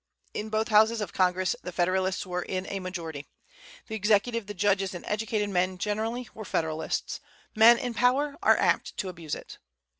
In both houses of Congress the Federalists were in a majority. The Executive, the judges, and educated men generally, were Federalists. Men in power are apt to abuse it.